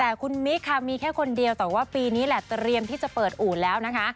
แต่คุณมิคค่ะมีแค่คนเดียวแต่ว่าปีนี้แหละเตรียมที่จะเปิดอู่แล้วนะคะ